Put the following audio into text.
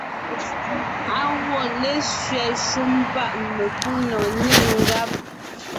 Á wɔ́ lésẅɛ shúm páʼ mekúnɔ̀ɔn, nê ngáb.